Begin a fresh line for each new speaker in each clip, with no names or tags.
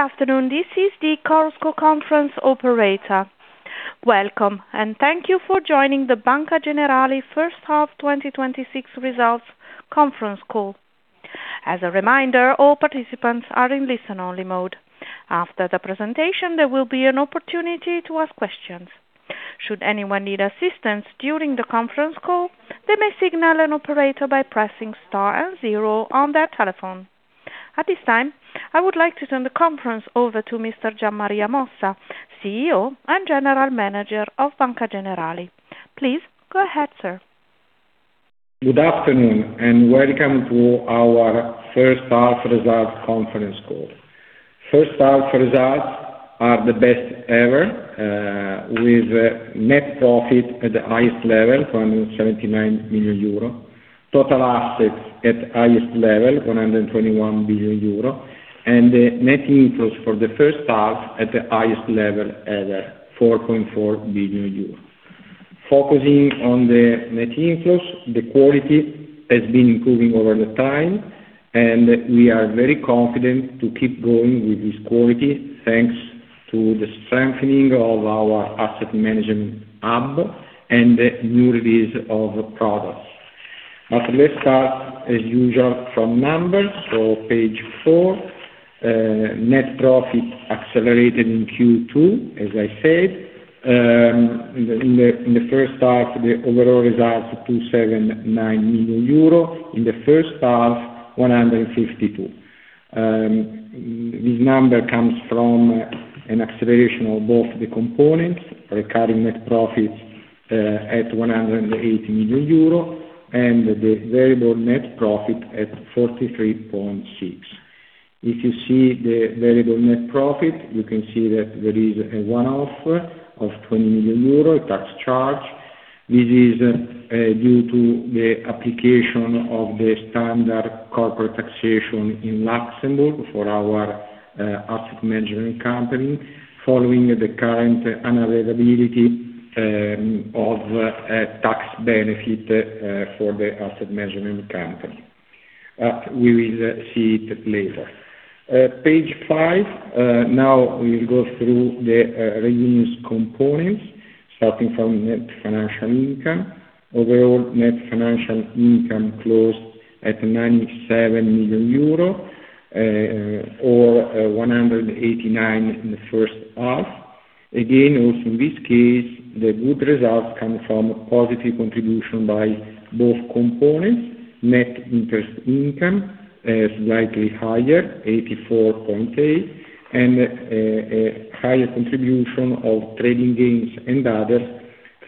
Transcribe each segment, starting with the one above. Good afternoon. This is the Chorus Call Conference operator. Welcome, and thank you for joining the Banca Generali first half 2026 results conference call. As a reminder, all participants are in listen-only mode. After the presentation, there will be an opportunity to ask questions. Should anyone need assistance during the conference call, they may signal an operator by pressing Star and Zero on their telephone. At this time, I would like to turn the conference over to Mr. Gian Maria Mossa, CEO and General Manager of Banca Generali. Please go ahead, sir.
Good afternoon, Welcome to our first half results conference call. First half results are the best ever, with net profit at the highest level, 279 million euro. Total assets at highest level, 121 billion euro, and net inflows for the first half at the highest level ever, 4.4 billion euros. Focusing on the net inflows, the quality has been improving over the time, and we are very confident to keep growing with this quality, thanks to the strengthening of our asset management hub and the new release of products. Let's start, as usual, from numbers. Page four, net profit accelerated in Q2, as I said. In the first half, the overall result 279 million euro. In the first half, 152. This number comes from an acceleration of both the components, recurring net profits at 180 million euro, and the variable net profit at 43.6. If you see the variable net profit, you can see that there is a one-off of 20 million euro tax charge. This is due to the application of the standard corporate taxation in Luxembourg for our asset management company, following the current unavailability of a tax benefit for the asset management company. We will see it later. Page five. We will go through the revenues components, starting from net financial income. Overall net financial income closed at 97 million euro, or 189 in the first half. Again, also in this case, the good results come from positive contribution by both components. Net interest income is slightly higher, 84.8, and a higher contribution of trading gains and others,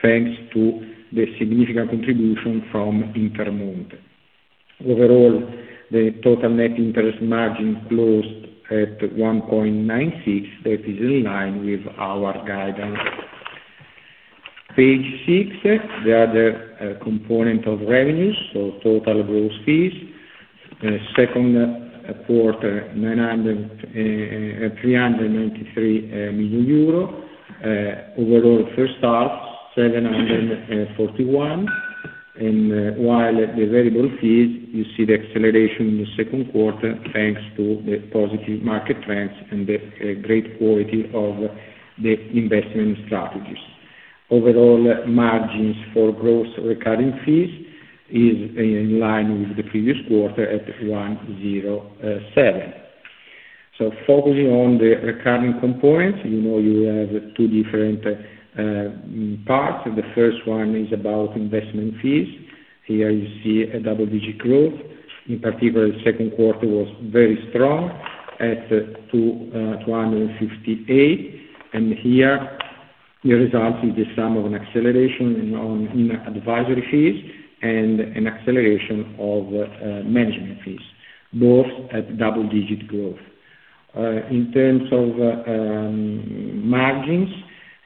thanks to the significant contribution from Intermonte. Overall, the total net interest margin closed at 1.96%. That is in line with our guidance. Page six, the other component of revenues, total gross fees. Second quarter, 393 million euro. Overall first half, 741. While the variable fees, you see the acceleration in the second quarter thanks to the positive market trends and the great quality of the investment strategies. Overall margins for gross recurring fees is in line with the previous quarter at 107%. Focusing on the recurring components, you know you have two different parts. The first one is about investment fees. Here you see a double-digit growth. In particular, the second quarter was very strong at 258. Here, the result is the sum of an acceleration in advisory fees and an acceleration of management fees, both at double-digit growth. In terms of margins,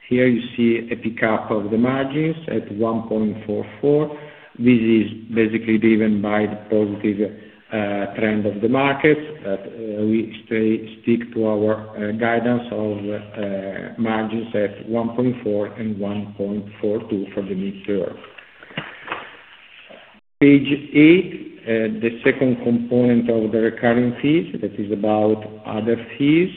here you see a pickup of the margins at 1.44%. This is basically driven by the positive trend of the markets, but we stick to our guidance of margins at 1.4% and 1.42% for the mid year. Page eight. The second component of the recurring fees, that is about other fees.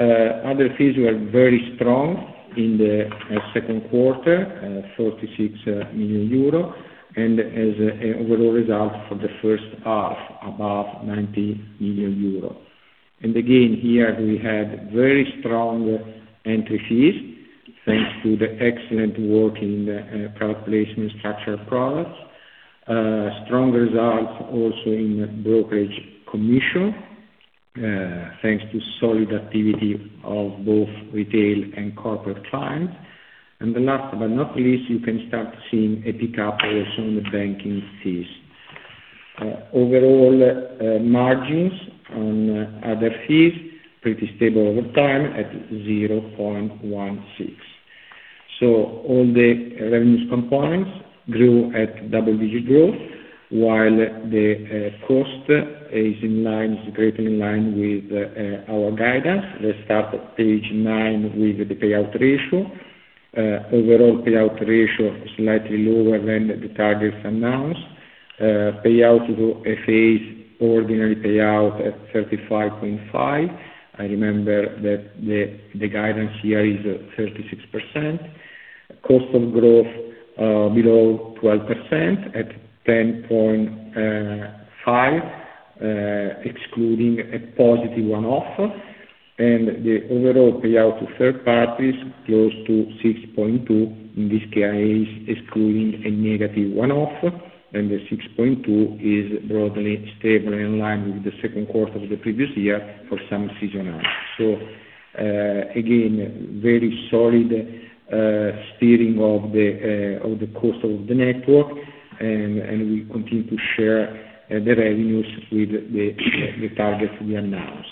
Other fees were very strong in the second quarter, 46 million euro, and as overall result for the first half, above 90 million euro. Again, here we had very strong entry fees, thanks to the excellent work in the private placement structured products. Strong results also in brokerage commission, thanks to solid activity of both retail and corporate clients. The last but not least, you can start seeing a pickup also on the banking fees. Overall margins on other fees, pretty stable over time at 0.16%. All the revenues components grew at double-digit growth, while the cost is greatly in line with our guidance. Let's start at page nine with the payout ratio. Overall payout ratio slightly lower than the targets announced. Payout to a phase ordinary payout at 35.5. I remember that the guidance here is 36%. Cost of growth below 12% at 10.5%, excluding a +1 off, and the overall payout to third parties close to 6.2%. In this case, excluding a -1 off, the 6.2% is broadly stable in line with the second quarter of the previous year for some seasonality. Again, very solid steering of the cost of the network, and we continue to share the revenues with the target we announced.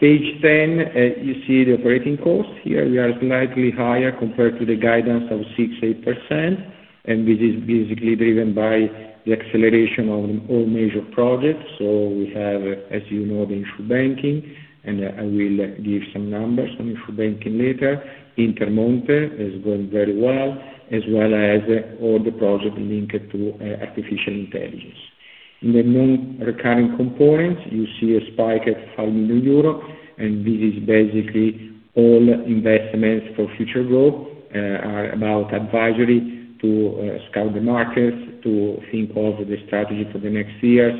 Page 10, you see the operating cost. Here, we are slightly higher compared to the guidance of 68%, and this is basically driven by the acceleration on all major projects. We have, as you know, the Insurbanking, I will give some numbers on Insurbanking later. Intermonte is going very well, as well as all the project linked to artificial intelligence. In the non-recurring components, you see a spike at 5 million euro, this is basically all investments for future growth, are about advisory to scout the markets, to think of the strategy for the next years.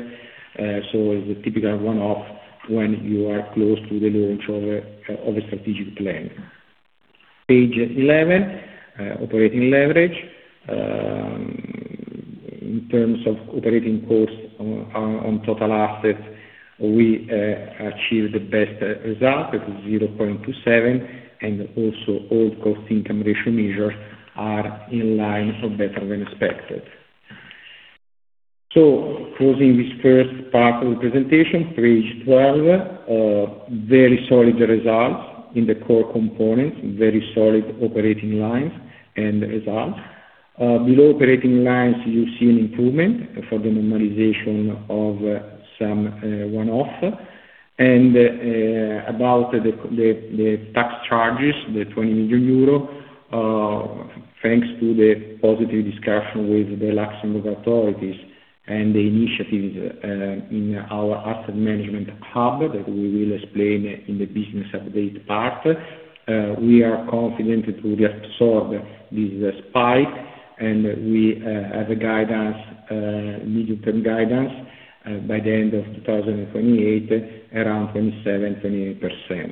It's a typical one-off when you are close to the launch of a strategic plan. Page 11, operating leverage. In terms of operating costs on total assets, we achieved the best result. It is 0.27, also all cost-income ratio measures are in line or better than expected. Closing this first part of the presentation, Page 12, very solid results in the core components, very solid operating lines and results. Below operating lines, you see an improvement for the normalization of some one-off. About the tax charges, the 20 million euro, thanks to the positive discussion with the Luxembourg authorities and the initiatives in our asset management hub that we will explain in the business update part. We are confident to reabsorb this spike, we have a medium-term guidance by the end of 2028, around 27% to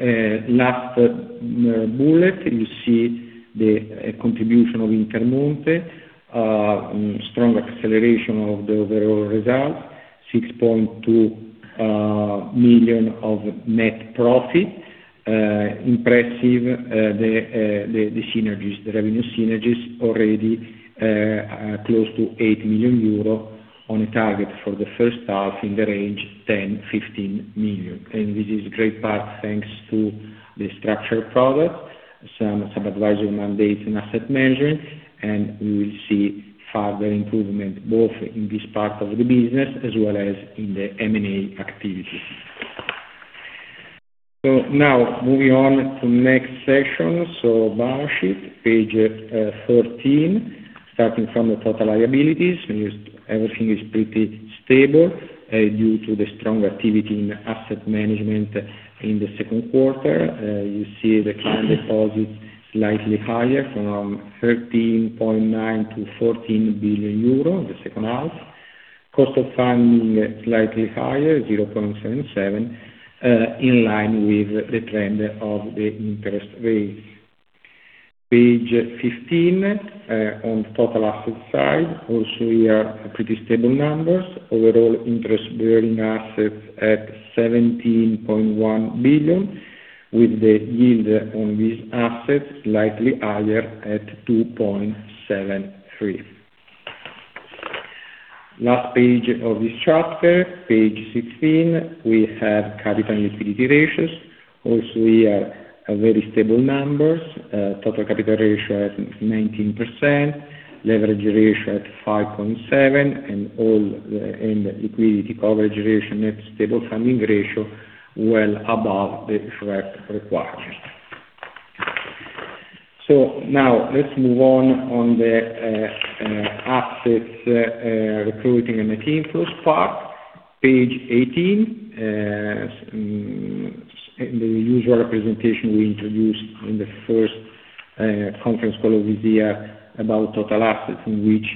28%. Last bullet, you see the contribution of Intermonte. Strong acceleration of the overall results, 6.2 million of net profit. Impressive, the revenue synergies already are close to 8 million euro on a target for the first half in the range 10 million-15 million. This is great part, thanks to the structured products, some sub-advisory mandates, and asset management. We will see further improvement both in this part of the business as well as in the M&A activities. Now moving on to next section. Balance sheet, page 13. Starting from the total liabilities, everything is pretty stable due to the strong activity in asset management in the second quarter. You see the client deposits slightly higher from 13.9 billion-14 billion euro in the second half. Cost of funding slightly higher, 0.77%, in line with the trend of the interest rates. Page 15, on total asset side, also here, pretty stable numbers. Overall interest-bearing assets at 17.1 billion, with the yield on these assets slightly higher at 2.73%. Last page of this chapter, page 16. We have capital and liquidity ratios. Also here, very stable numbers. Total capital ratio at 19%, leverage ratio at 5.7%, and liquidity coverage ratio, net stable funding ratio well above the requirements. Now let's move on the assets recruiting and net inflows part. Page 18. In the usual representation we introduced in the first conference call of this year about total assets, in which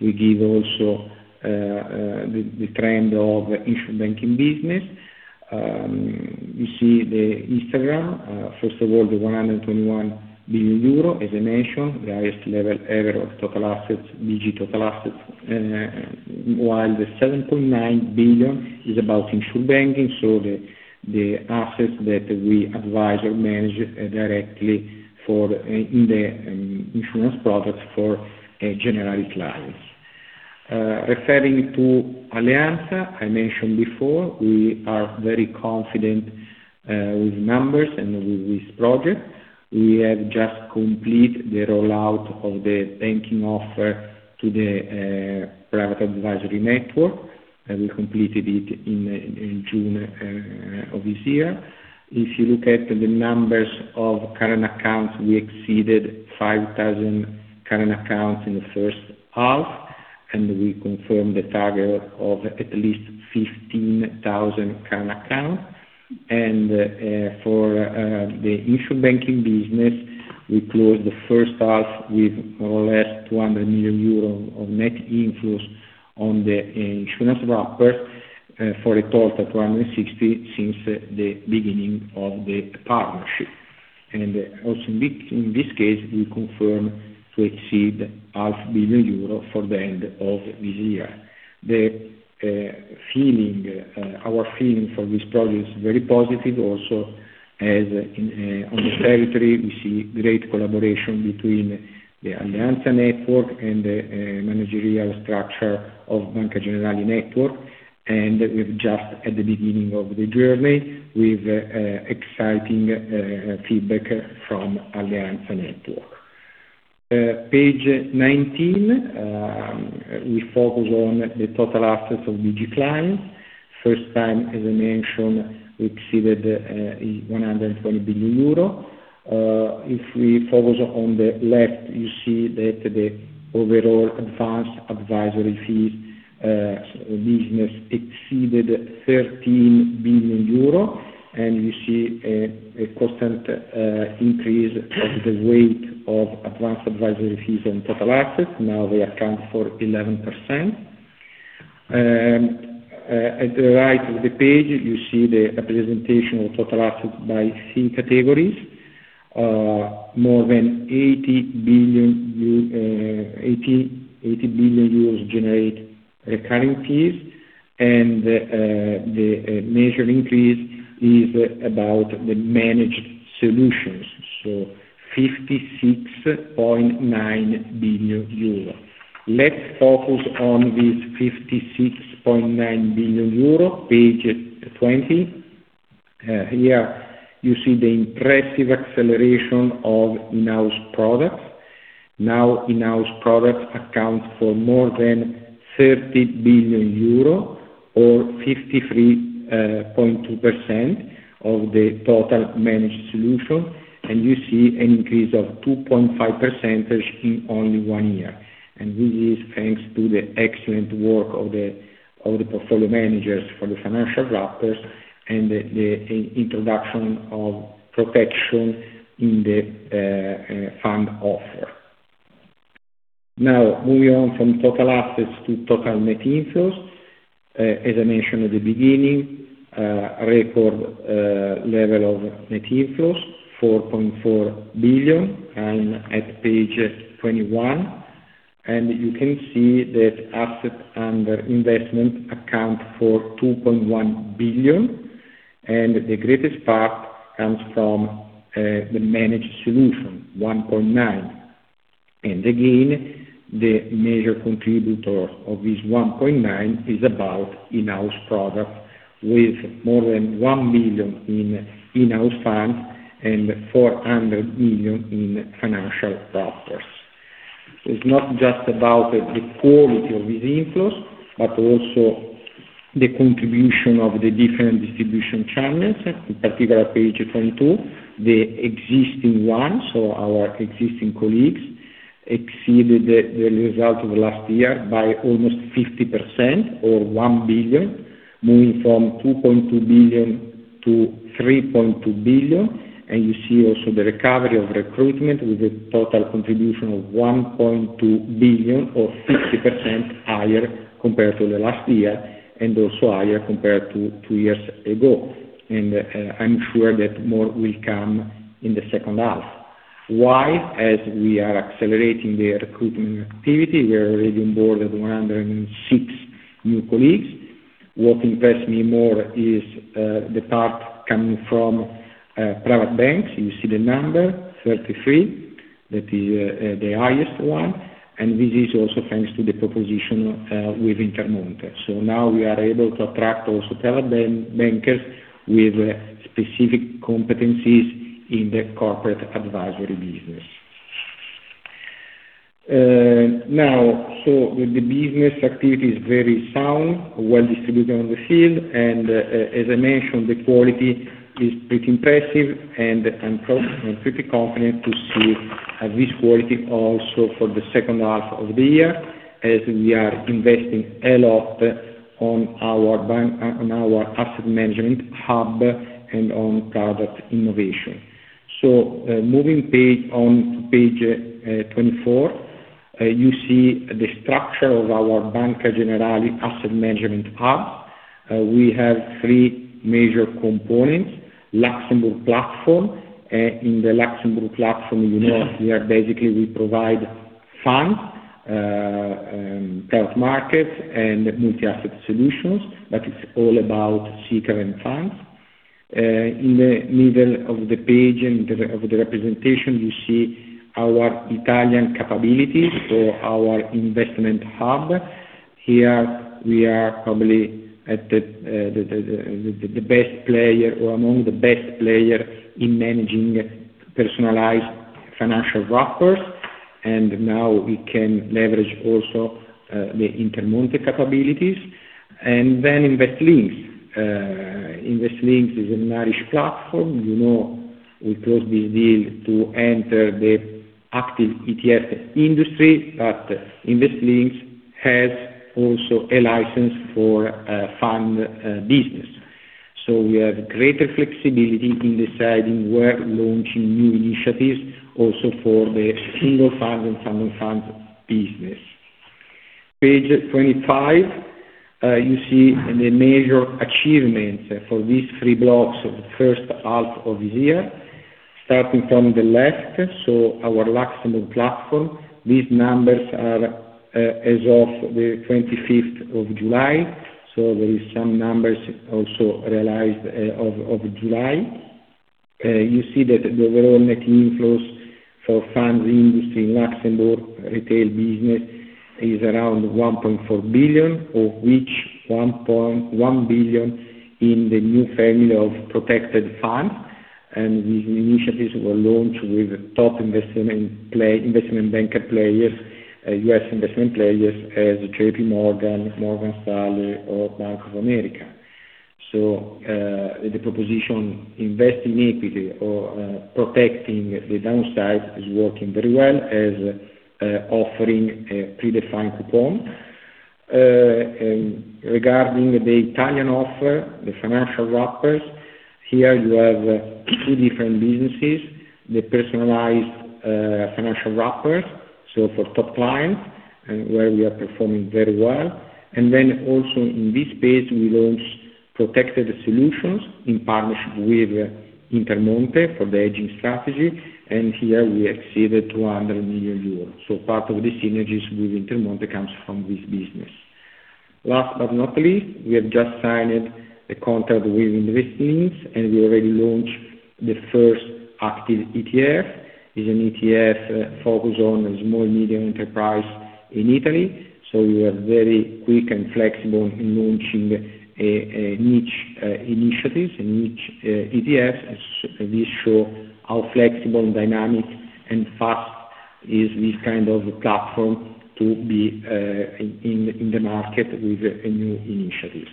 we give also the trend of Insurbanking business. You see the histogram. First of all, the 121 billion euro, as I mentioned, the highest level ever of total assets, BG total assets, while the 7.9 billion is about Insurbanking. The assets that we advise or manage directly in the insurance products for Generali clients. Referring to Alleanza, I mentioned before, we are very confident with numbers and with this project. We have just completed the rollout of the banking offer to the private advisory network, and we completed it in June of this year. If you look at the numbers of current accounts, we exceeded 5,000 current accounts in the first half. We confirm the target of at least 15,000 current accounts. For the Insurbanking business, we closed the first half with more or less 200 million euro of net inflows on the insurance wrappers for a total of 260 million since the beginning of the partnership. Also in this case, we confirm to exceed half billion EUR for the end of this year. Our feeling for this project is very positive. Also, on the territory, we see great collaboration between the Alleanza network and the managerial structure of Banca Generali network. We're just at the beginning of the journey with exciting feedback from Alleanza network. Page 19, we focus on the total assets of BG clients. First time, as I mentioned, we exceeded 120 billion euro. If we focus on the left, you see that the overall advanced advisory fees business exceeded 13 billion euro, and you see a constant increase of the weight of advanced advisory fees on total assets. Now they account for 11%. At the right of the page, you see the representation of total assets by fee categories. More than 80 billion generate recurring fees, and the major increase is about the managed solutions, so 56.9 billion euro. Let's focus on this 56.9 billion euro, page 20. Here you see the impressive acceleration of in-house products. In-house products account for more than 30 billion euro or 53.2% of the total managed solution, and you see an increase of 2.5 percentage in only one year. This is thanks to the excellent work of the portfolio managers for the financial wrappers and the introduction of protection in the fund offer. Moving on from total assets to total net inflows. As I mentioned at the beginning, record level of net inflows, 4.4 billion, and at page 21. You can see that assets under investment account for 2.1 billion, and the greatest part comes from the managed solution, 1.9 billion. Again, the major contributor of this 1.9 billion is about in-house products with more than 1 billion in in-house funds and 400 million in financial products. It is not just about the quality of these inflows, but also the contribution of the different distribution channels. In particular, page 22, the existing ones, so our existing colleagues, exceeded the result of last year by almost 50% or 1 billion, moving from 2.2 billion-3.2 billion. You see also the recovery of recruitment with a total contribution of 1.2 billion or 50% higher compared to the last year and also higher compared to two years ago. I am sure that more will come in the second half. Why? We are accelerating the recruiting activity, we already onboarded 106 new colleagues. What interests me more is the part coming from private banks. You see the number, 33. That is the highest one, and this is also thanks to the proposition with Intermonte. So now we are able to attract also tele bankers with specific competencies in the corporate advisory business. The business activity is very sound, well distributed on the field, and as I mentioned, the quality is pretty impressive, and I am pretty confident to see this quality also for the second half of the year, as we are investing a lot on our asset management hub and on product innovation. Moving on to page 24, you see the structure of our Banca Generali asset management hub. We have three major components, Luxembourg platform. In the Luxembourg platform, you know here basically we provide funds, third markets, and multi-asset solutions, but it is all about current funds. In the middle of the page, of the representation, you see our Italian capabilities, so our investment hub. Here we are probably among the best player in managing personalized financial wrappers, and now we can leverage also the Intermonte capabilities. Then Investlinx. Investlinx is an Irish platform. You know we closed this deal to enter the active ETF industry, but Investlinx has also a license for fund business. So we have greater flexibility in deciding where to launch new initiatives also for the single fund and fund of funds business. Page 25, you see the major achievements for these three blocks of the first half of this year. Starting from the left, so our Luxembourg platform. These numbers are as of the July 25th, so there is some numbers also realized of July. You see that the overall net inflows for funds industry in Luxembourg retail business is around 1.4 billion, of which 1 billion is in the new family of protected funds. These initiatives were launched with top investment banker players, U.S. investment players as JPMorgan, Morgan Stanley or Bank of America. So, the proposition invest in equity or protecting the downside is working very well as offering a predefined coupon. Regarding the Italian offer, the financial wrappers, here you have two different businesses, the personalized financial wrappers, so for top clients and where we are performing very well. Then also in this space, we launched protected solutions in partnership with Intermonte for the aging strategy. Here, we exceeded 200 million euros. Part of the synergies with Intermonte comes from this business. Last but not least, we have just signed a contract with Investlinx, and we already launched the first active ETF. It is an ETF focused on small medium enterprise in Italy. We are very quick and flexible in launching niche initiatives, niche ETFs. This shows how flexible and dynamic, and fast is this kind of platform to be in the market with new initiatives.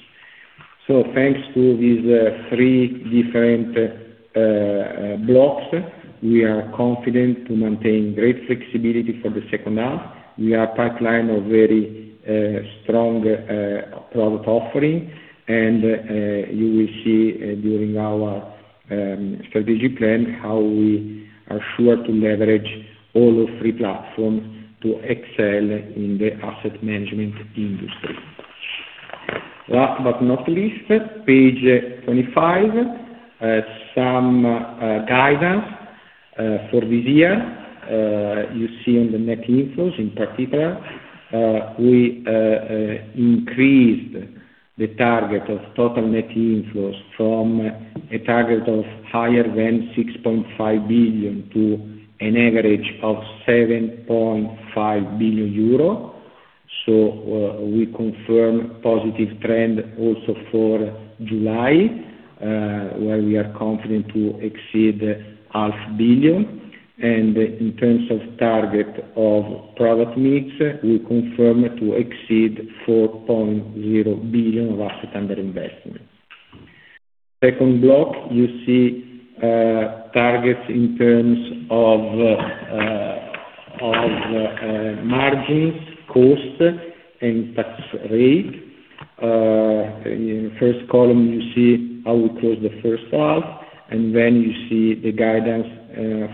Thanks to these three different blocks, we are confident to maintain great flexibility for the second half. We have pipeline of very strong product offering, and you will see during our strategic plan how we are sure to leverage all those three platforms to excel in the asset management industry. Last but not least, page 25. Some guidance for this year. On the net inflows in particular, we increased the target of total net inflows from a target of higher than 6.5 billion to an average of 7.5 billion euro. We confirm positive trend also for July, where we are confident to exceed EUR half billion. In terms of target of product mix, we confirm to exceed 4.0 billion of asset under investment. Second block, you see targets in terms of margins, cost, and tax rate. First column, you see how we closed the first half, then you see the guidance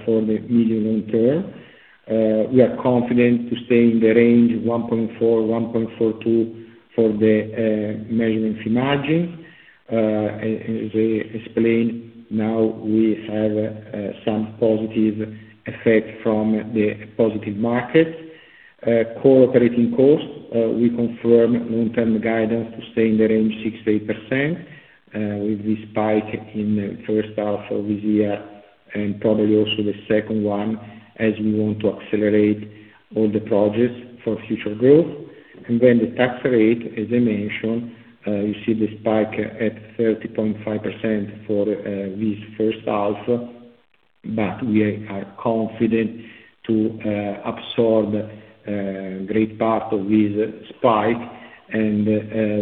for the medium-long term. We are confident to stay in the range of 1.4%-1.42% for the management margin. As I explained, we have some positive effect from the positive market. Core operating cost, we confirm long-term guidance to stay in the range of 6%-8% with this spike in first half of this year and probably also the second one as we want to accelerate all the projects for future growth. The tax rate, as I mentioned, you see the spike at 30.5% for this first half, we are confident to absorb a great part of this spike, and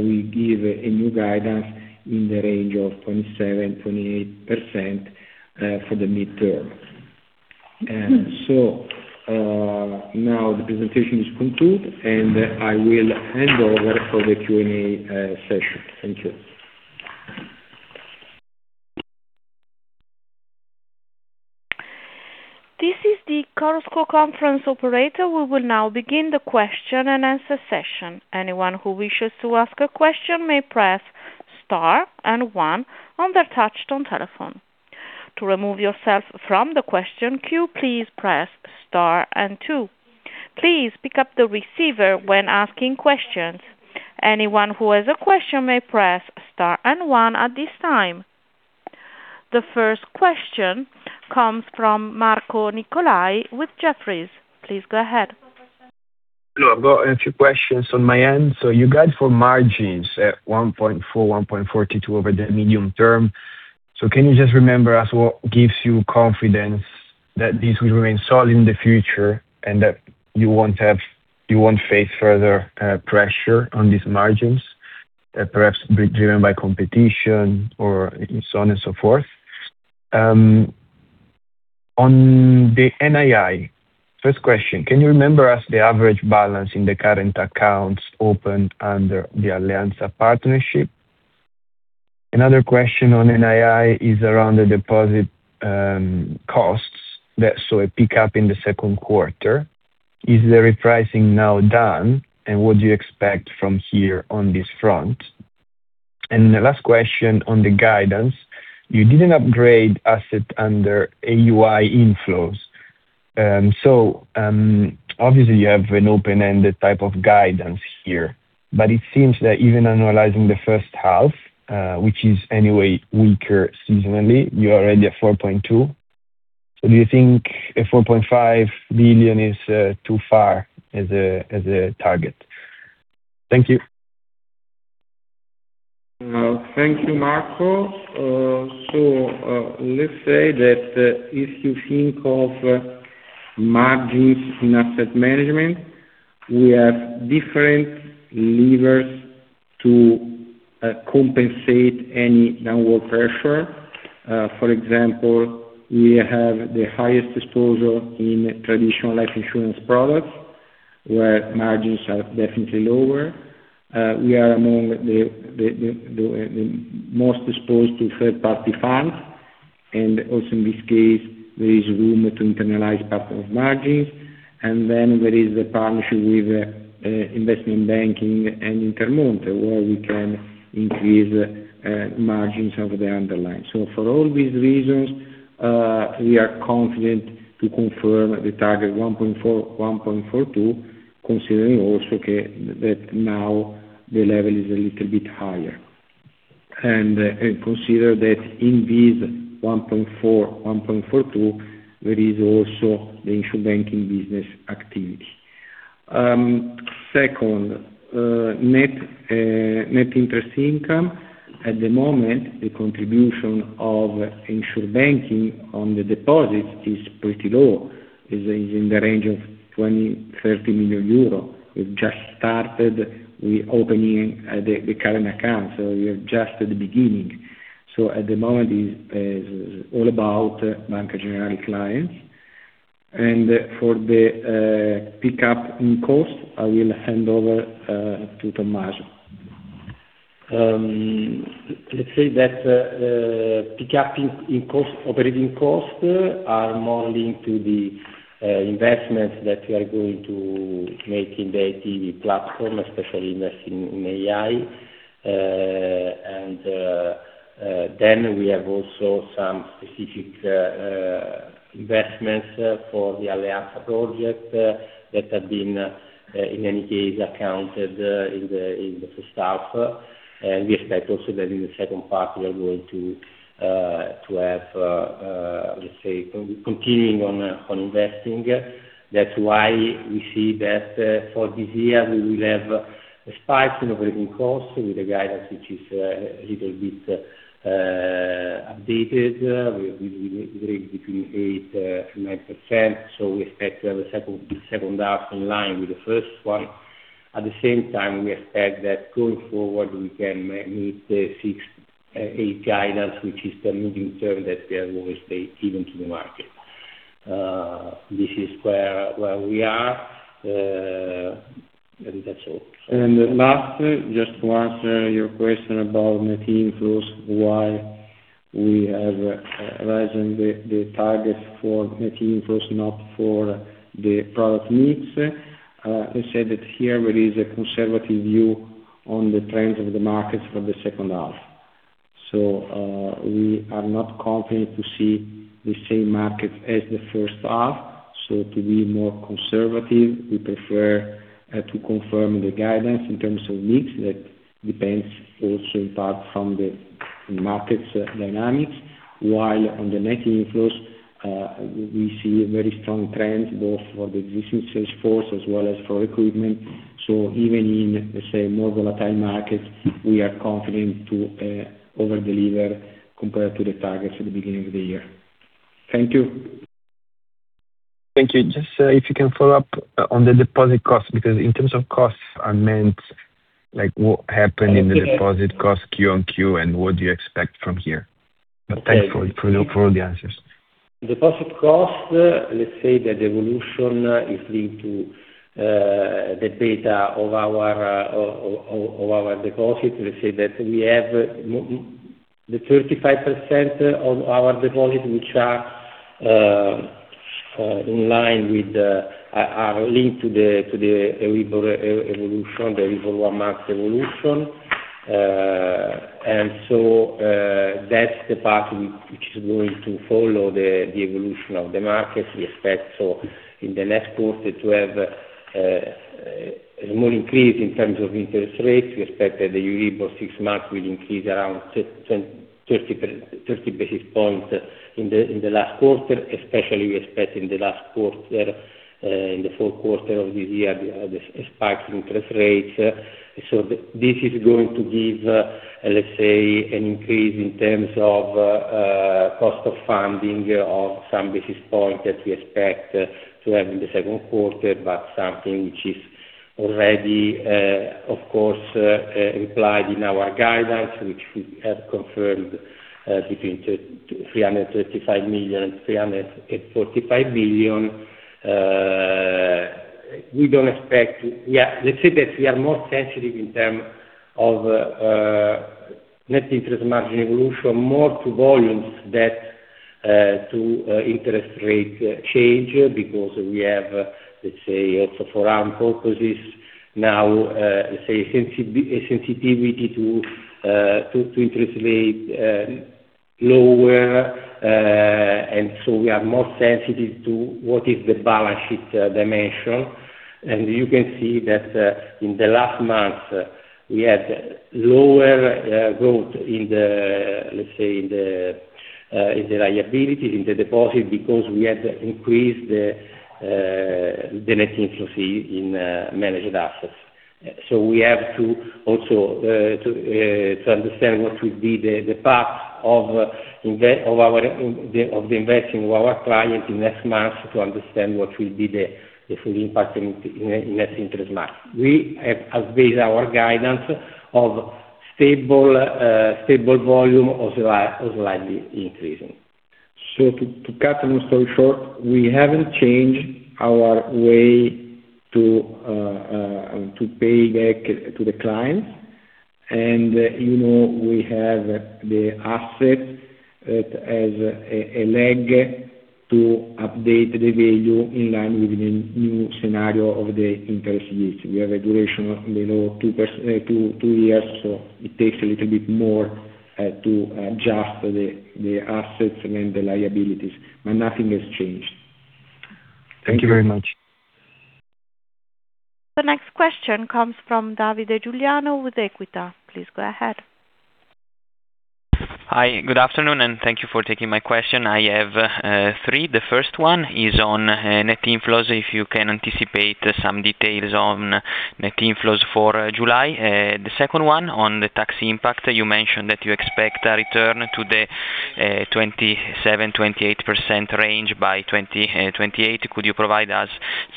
we give a new guidance in the range of 27%-28% for the midterm. The presentation is concluded, and I will hand over for the Q&A session. Thank you.
This is the Chorus Call Conference Operator. We will now begin the question-and-answer session. Anyone who wishes to ask a question may press star and one on their touch-tone telephone. To remove yourself from the question queue, please press star and two. Please pick up the receiver when asking questions. Anyone who has a question may press star and one at this time. The first question comes from Marco Nicolai with Jefferies. Please go ahead.
Hello. I've got a few questions on my end. You guide for margins at 1.4%-1.42% over the medium term. Can you just remind us what gives you confidence that this will remain solid in the future and that you won't face further pressure on these margins? Perhaps driven by competition or so on and so forth. On the NII, first question, can you remind us the average balance in the current accounts opened under the Alleanza partnership? Another question on NII is around the deposit costs. I saw a pickup in the second quarter. Is the repricing now done, and what do you expect from here on this front? The last question on the guidance. You didn't upgrade asset under AUI inflows. Obviously you have an open-ended type of guidance here, but it seems that even annualizing the first half, which is anyway weaker seasonally, you're already at 4.2 billion. Do you think 4.5 billion is too far as a target? Thank you.
Thank you, Marco. Let's say that if you think of margins in asset management, we have different levers to compensate any downward pressure. For example, we have the highest exposure in traditional life insurance products, where margins are definitely lower. We are among the most exposed to third-party funds, and also in this case, there is room to internalize part of margins. Then there is the partnership with investment banking and Intermonte, where we can increase margins over the underlying. For all these reasons, we are confident to confirm the target 1.4%-1.42%, considering also that now the level is a little bit higher. Consider that in this 1.4%-1.42%, there is also the Insurbanking business activity. Second, net interest income. At the moment, the contribution of Insurbanking on the deposits is pretty low, is in the range of 20 million-30 million euro. We've just started with opening the current account, we are just at the beginning. At the moment, it's all about Banca Generali clients. For the pickup in cost, I will hand over to Tommaso.
Let's say that pickup in operating costs are more linked to the investments that we are going to make in the ETF platform, especially investing in AI. We have also some specific investments for the Alleanza project that have been, in any case, accounted in the first half. We expect also that in the second half we are going to have, let's say, continuing on investing. That's why we see that for this year, we will have a spike in operating costs with the guidance, which is a little bit updated. We will be between 8%-9%. We expect to have the second half in line with the first one. At the same time, we expect that going forward, we can meet the 6%, 8% guidance, which is the medium term that we have always stated to the market. This is where we are. I think that's all.
Lastly, just to answer your question about net inflows, why we have risen the target for net inflows, not for the product mix. I said that here there is a conservative view on the trends of the markets for the second half. We are not confident to see the same markets as the first half. To be more conservative, we prefer to confirm the guidance in terms of mix. That depends also in part from the market's dynamics. While on the net inflows, we see a very strong trend both for the existing sales force as well as for recruitment. Even in, let's say, more volatile markets, we are confident to over-deliver compared to the targets at the beginning of the year. Thank you.
Thank you. Just if you can follow up on the deposit cost, because in terms of costs, I meant what happened in the deposit cost QoQ, and what do you expect from here? Thanks for all the answers.
Deposit cost, let's say that evolution is linked to the data of our deposit. Let's say that we have the 35% of our deposit which are linked to the Euribor evolution, the Euribor marks evolution. That's the part which is going to follow the evolution of the market. We expect in the next quarter to have a small increase in terms of interest rates. We expect that the Euribor six months will increase around 30 basis points in the last quarter. Especially we expect in the last quarter, in the fourth quarter of this year, the spike in interest rates. This is going to give, let's say, an increase in terms of cost of funding of some basis points that we expect to have in the second quarter, but something which is already, of course, replied in our guidance, which we have confirmed between 335 million and 345 million. Let's say that we are more sensitive in term of net interest margin evolution, more to volumes than to interest rate change, because we have, let's say, also for our purposes now, a sensitivity to interest rate lower. We are more sensitive to what is the balance sheet dimension.
You can see that in the last month, we had lower growth in the liabilities, in the deposit, because we had increased the net inflows in managed assets. We have to also understand what will be the path of the investing of our client in the next months to understand what will be the full impact in net interest margin. We have, as based our guidance of stable volume or slightly increasing.
To cut the long story short, we haven't changed our way to pay back to the clients. We have the asset that has a leg to update the value in line with the new scenario of the interest yield. We have a duration of below two years, so it takes a little bit more to adjust the assets than the liabilities. Nothing has changed.
Thank you very much.
The next question comes from Davide Giuliano with Equita. Please go ahead.
Hi. Good afternoon, and thank you for taking my question. I have three. The first one is on net inflows, if you can anticipate some details on net inflows for July. The second one, on the tax impact. You mentioned that you expect a return to the 27%-28% range by 2028. Could you provide us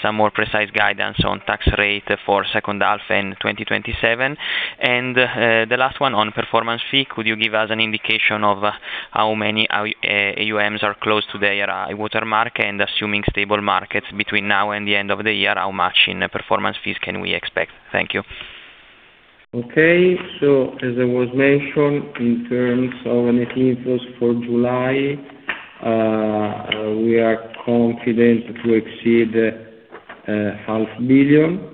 some more precise guidance on tax rate for second half in 2027? The last one on performance fee. Could you give us an indication of how many AUMs are close to their high water mark? Assuming stable markets between now and the end of the year, how much in performance fees can we expect? Thank you.
Okay. As it was mentioned, in terms of net inflows for July, we are confident to exceed EUR half billion.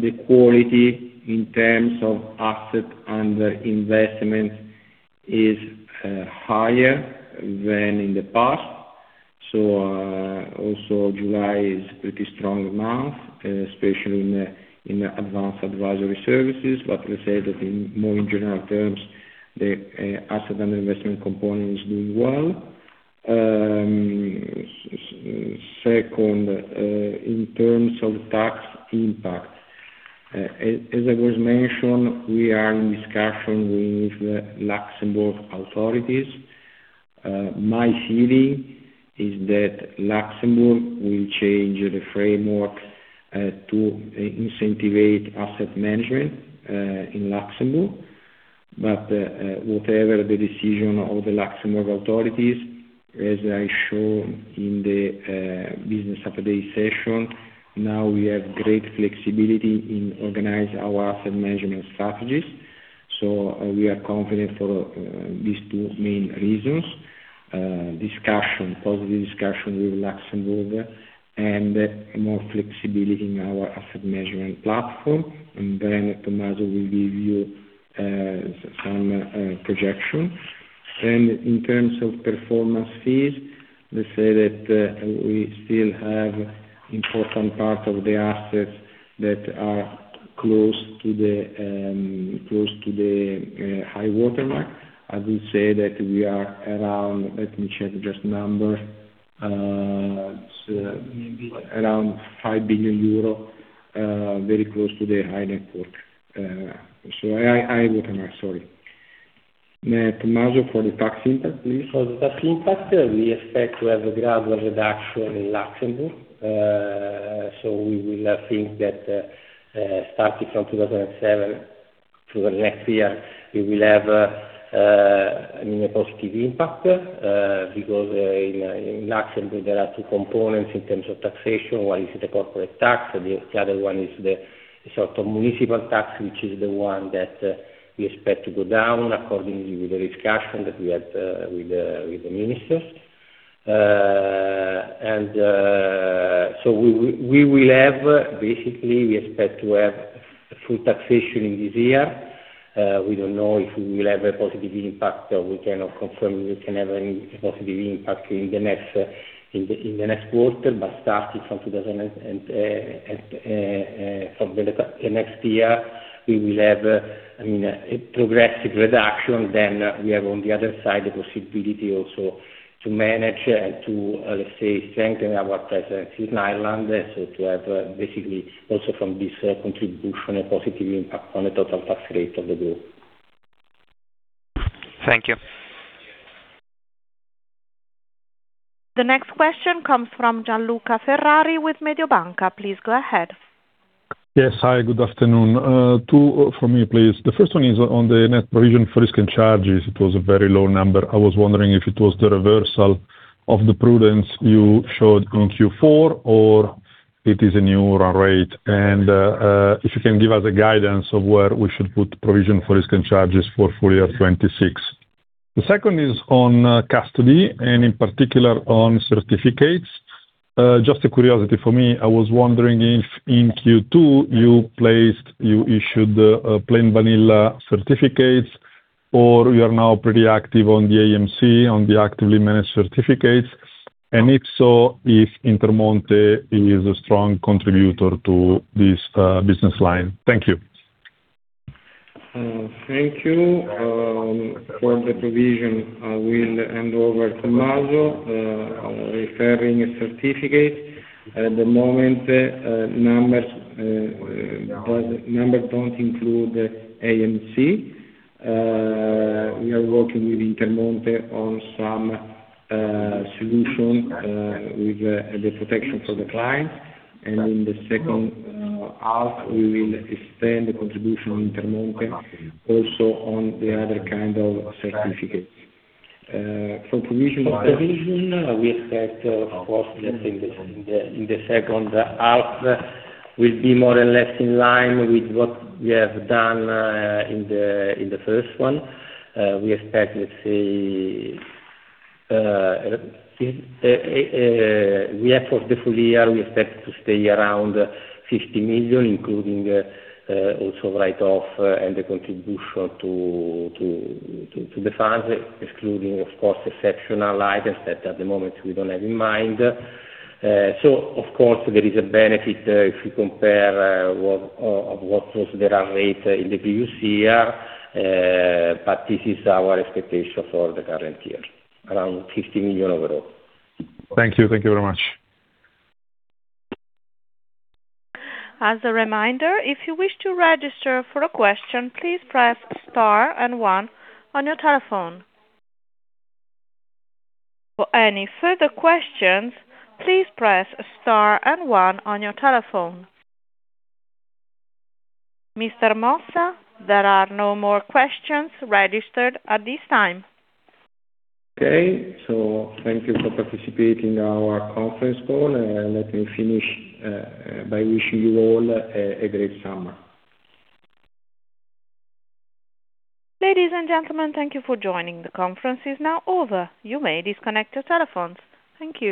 The quality in terms of asset and investment is higher than in the past. Also July is pretty strong month, especially in advanced advisory services. We say that in more general terms, the asset and investment component is doing well. Second, in terms of tax impact, as it was mentioned, we are in discussion with Luxembourg authorities. My feeling is that Luxembourg will change the framework to incentivize asset management in Luxembourg. Whatever the decision of the Luxembourg authorities, as I show in the business update session, now we have great flexibility in organize our asset management strategies. We are confident for these two main reasons: positive discussion with Luxembourg and more flexibility in our asset management platform. Tommaso will give you some projections. In terms of performance fees, we say that we still have important part of the assets that are close to the high water mark. As we say that we are around 5 billion euros, very close to the high net worth, high water mark, sorry. Tommaso, for the tax impact, please.
For the tax impact, we expect to have a gradual reduction in Luxembourg. We will think that starting from 2027 to the next year, we will have a positive impact. In Luxembourg, there are two components in terms of taxation. One is the corporate tax, the other one is the municipal tax, which is the one that we expect to go down accordingly with the discussion that we had with the minister. We will have basically, we expect to have full taxation in this year. We don't know if we will have a positive impact, or we cannot confirm we can have any positive impact in the next quarter. Starting from the next year, we will have a progressive reduction. We have, on the other side, the possibility also to manage and to strengthen our presence in Ireland. To have, basically, also from this contribution, a positive impact on the total tax rate of the group.
Thank you.
The next question comes from Gian Luca Ferrari with Mediobanca. Please go ahead.
Yes. Hi, good afternoon. Two from me, please. The first one is on the net provision for risk and charges. It was a very low number. I was wondering if it was the reversal of the prudence you showed in Q4, or it is a new run rate. If you can give us a guidance of where we should put provision for risk and charges for full year 2026. The second is on custody, and in particular on certificates. Just a curiosity for me, I was wondering if in Q2 you issued plain vanilla certificates, or you are now pretty active on the AMC, on the actively managed certificates. If so, if Intermonte is a strong contributor to this business line. Thank you.
Thank you. For the provision, I will hand over to Tommaso. Referring a certificate, at the moment, numbers don't include AMC. We are working with Intermonte on some solution with the protection for the client. In the second half, we will extend the contribution of Intermonte also on the other kind of certificates. For provision, we expect, of course, let's say in the second half, we'll be more or less in line with what we have done in the first one. For the full year, we expect to stay around 50 million, including also write-off and the contribution to the funds, excluding, of course, exceptional items that at the moment we don't have in mind. Of course, there is a benefit if you compare of what was the run rate in the previous year. This is our expectation for the current year, around 50 million euro overall.
Thank you. Thank you very much.
As a reminder, if you wish to register for a question, please press star and one on your telephone. For any further questions, please press star and one on your telephone. Mr. Mossa, there are no more questions registered at this time.
Okay. Thank you for participating in our conference call, and let me finish by wishing you all a great summer.
Ladies and gentlemen, thank you for joining. The conference is now over. You may disconnect your telephones. Thank you.